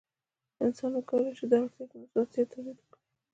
انسان وکولی شوای د اړتیا په نسبت زیات تولید وکړي.